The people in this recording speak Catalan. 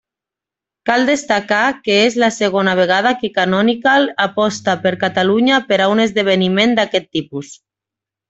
Cal destacar que és la segona vegada que Canonical aposta per Catalunya per a un esdeveniment d'aquest tipus.